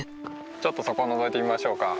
ちょっとそこをのぞいてみましょうか。